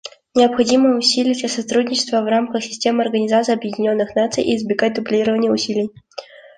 Необходимо усилить сотрудничество в рамках системы Организации Объединенных Наций и избегать дублирования усилий.